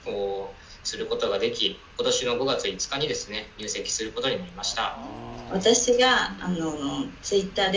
することができ、今年５月５日に入籍することになりました。